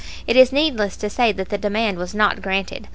It is needless to say that the demand was not granted.